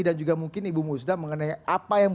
dan juga mungkin ibu musda mengenai apa yang